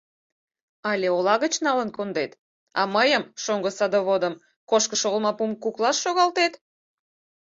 Але ола гыч налын кондет, а мыйым, шоҥго садоводым, кошкышо олмапум куклаш шогалтет?